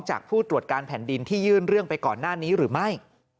ผู้ตรวจการแผ่นดินที่ยื่นเรื่องไปก่อนหน้านี้หรือไม่